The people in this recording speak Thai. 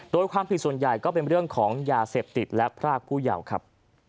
โดยความผิดส่วนใหญ่ก็เป็นเรื่องของยาเสพติดและพรากผู้เยาว์ครับ